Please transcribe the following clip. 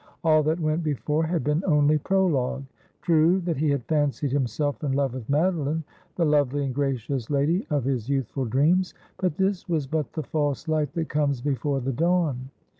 All that went before had been only prologue. True that he had fancied himself in love with Madeline — the lovely and gracious lady of his youthful dreams — but this was but the false light that comes before the dawn.